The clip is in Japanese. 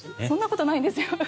そんなことないですよ。